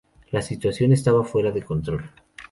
La situación estaba fuera de control.